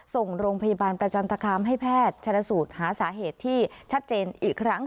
ส่งโรงพยาบาลประจันตคามให้แพทย์ชนสูตรหาสาเหตุที่ชัดเจนอีกครั้ง